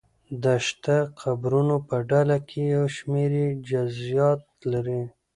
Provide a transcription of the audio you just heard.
د شته قبرونو په ډله کې یو شمېر یې جزییات لري.